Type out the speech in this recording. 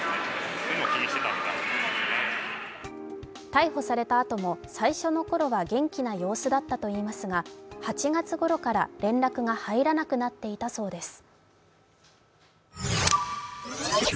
逮捕されたあとも最初の頃は元気な様子だったといいますが、８月ごろから連絡が入らなくなっていたそうです。